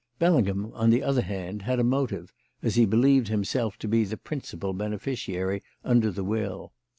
Bellingham, on the other hand, had a motive, as he believed himself to be the principal beneficiary under the will.